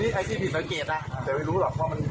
อ๋อรถผิดขาดใครที่ผิดสังเกตอ่ะแต่ไม่รู้หรอกว่ามันเกตเลย